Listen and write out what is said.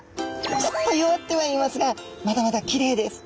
ちょっと弱ってはいますがまだまだキレイです。